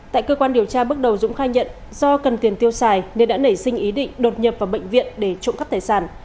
tại cơ quan điều tra bước đầu dũng khai nhận do cần tiền tiêu xài nên đã nảy sinh ý định đột nhập vào bệnh viện để trộm cắp tài sản